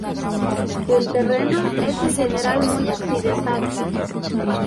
El terreno es en general muy accidentado.